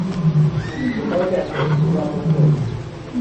Sunt total de acord cu raportorul.